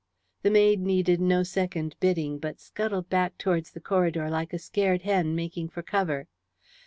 The maid needed no second bidding, but scuttled back towards the corridor like a scared hen making for cover.